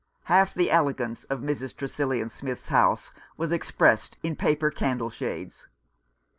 Half the elegance of Mrs. Tresillian Smith's house was expressed in paper candle shades.